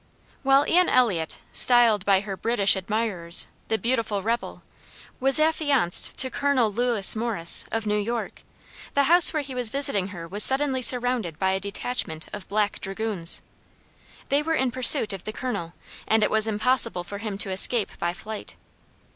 While Ann Elliott, styled by her British admirers, "the beautiful rebel," was affianced to Col. Lewis Morris, of New York, the house where he was visiting her was suddenly surrounded by a detachment of "Black Dragoons." They were in pursuit of the Colonel, and it was impossible for him to escape by flight.